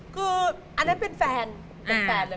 คืออันนั้นเป็นแฟนเป็นแฟนเลย